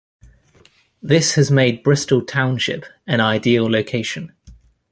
This has made Bristol Township an ideal location.